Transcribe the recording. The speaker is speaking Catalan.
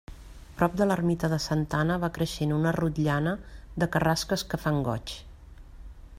Prop de l'ermita de Santa Anna va creixent una rotllana de carrasques que fan goig.